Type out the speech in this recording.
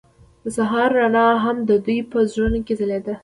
د سهار رڼا هم د دوی په زړونو کې ځلېده.